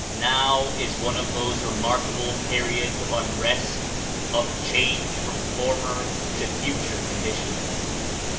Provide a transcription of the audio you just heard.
Now is one of those remark able periods of unrest, of change from Coming of former to future conditions.